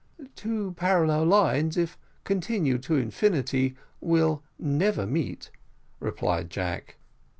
"Two parallel lines, if continued to infinity, will never meet," replied Jack.